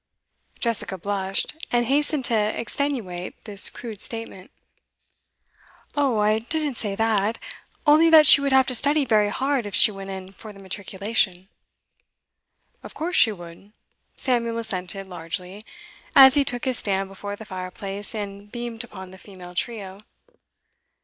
Jessica blushed, and hastened to extenuate this crude statement. 'Oh, I didn't say that. Only that she would have to study very hard if she went in for the matriculation.' 'Of course she would,' Samuel assented, largely, as he took his stand before the fireplace and beamed upon the female trio.